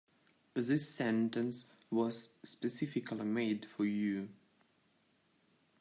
This sentence was specifically made for you.